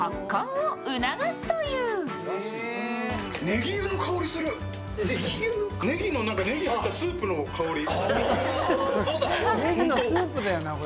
ねぎの入ったスープの香り。